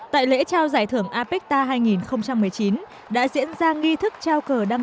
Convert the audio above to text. tại lễ trao giải thưởng apecta hai nghìn một mươi chín đã diễn ra nghi thức trao cơ hội